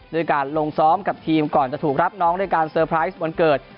ด้วยการลงซ้อมกับทีมก่อนจะถูกรับน้องด้วยการเซอร์ไพรส์วันเกิด